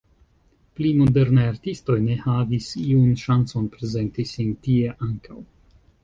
Pli modernaj artistoj ne havis iun ŝancon prezenti sin tie ankaŭ.